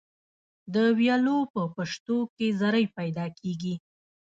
د ویالو په پشتو کې زرۍ پیدا کیږي.